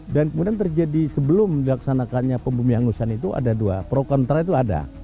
dan kemudian terjadi sebelum dilaksanakannya pembumi hangusan itu ada dua pro kontra itu ada